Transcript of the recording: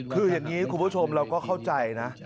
คืออย่างนี้คุณผู้ชมเราก็เข้าใจนะ